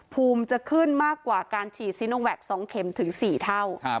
ภูมิจะขึ้นมากกว่าการฉีดซีโนแวค๒เข็มถึง๔เท่า